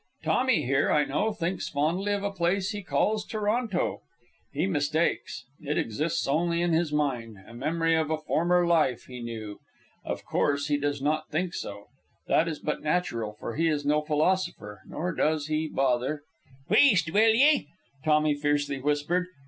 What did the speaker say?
Tommy, here, I know, thinks fondly of a place he calls Toronto. He mistakes. It exists only in his mind, a memory of a former life he knew. Of course, he does not think so. That is but natural; for he is no philosopher, nor does he bother " "Wheest, will ye!" Tommy fiercely whispered.